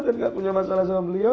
dan nggak punya masalah sama beliau